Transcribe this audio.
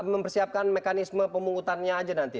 mempersiapkan mekanisme pemungutannya aja nanti